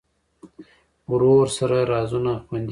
ورور سره رازونه خوندي وي.